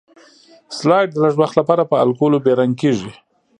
سلایډ د لږ وخت لپاره په الکولو بې رنګ کیږي.